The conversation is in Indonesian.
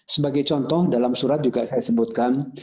sebagai contoh dalam surat juga saya sebutkan